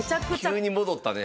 急に戻ったね